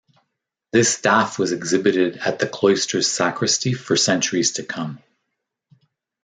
This staff was exhibited at the cloister's sacristy for centuries to come.